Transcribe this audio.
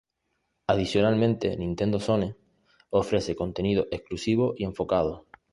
Adicionalmente, Nintendo Zone ofrece contenido exclusivo y enfocado.